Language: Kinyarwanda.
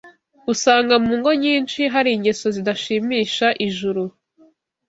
Usanga mu ngo nyinshi hari ingeso zidashimisha ijuru,